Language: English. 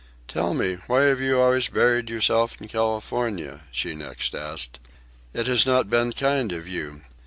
"Tell me, why have you always buried yourself in California?" she next asked. "It has not been kind of you.